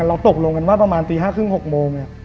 อ่ะเราตกลงกันว่าประมาณตี้ห้าครึ่งหกโมง